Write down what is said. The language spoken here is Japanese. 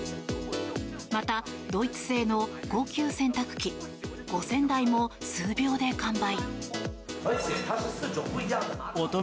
また、ドイツ製の高級洗濯機５０００台も数秒で完売。